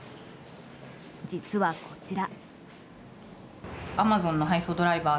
実は、こちら。